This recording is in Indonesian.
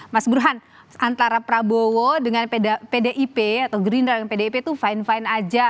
mas burhan antara prabowo dengan pdip atau green line dengan pdip tuh fine fine aja